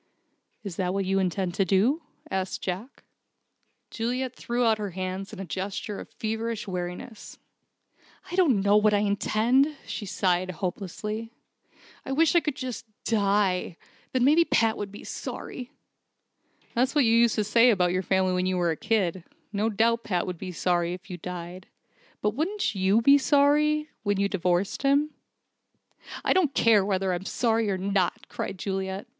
"Is that what you intend to do?" asked Jack. Juliet threw out her hands in a gesture of feverish weariness. "I don't know what I intend," she sighed, hopelessly, "I wish I could just die. Then maybe Pat would be sorry." "That's what you used to say about your family when you were a kid. No doubt Pat would be sorry if you died. But wouldn't you be sorry when you'd divorced him?" "I don't care whether I'm sorry or not," cried Juliet.